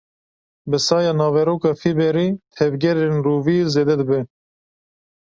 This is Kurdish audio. Bi saya naveroka fîberê, tevgerên rûvî zêde dibe.